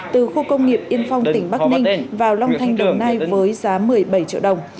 từ khu công nghiệp yên phong tỉnh bắc ninh vào long thanh đồng nai với giá một mươi bảy triệu đồng